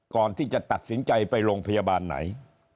ก่อนที่จะตัดสินใจไปโรงพยาบาลไหน